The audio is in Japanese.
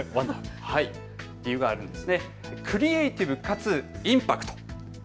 理由があるんです。